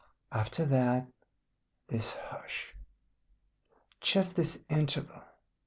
After that this hush. Just this interval.